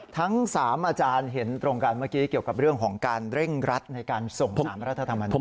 ทั้ง๓อาจารย์เห็นตรงกันเมื่อกี้เกี่ยวกับเรื่องของการเร่งรัดในการส่ง๓รัฐธรรมนูญ